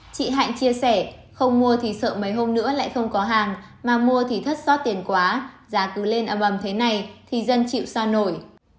chị hạnh chia sẻ không mua thì sợ mấy hôm nữa lại không có hàng mà mua thì thất sót tiền quá giá cứ lên âm âm thế này thì dân chịu sao nổi